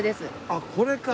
あっこれか。